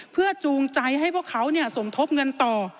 เพื่อจูงใจให้พวกเขาสมทบเงินต่อ